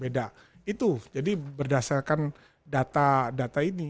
jadi kita harus berdasarkan data data ini